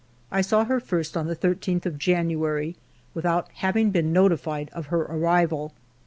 I saw her first on the 13th of January, without having been notified of her arrival.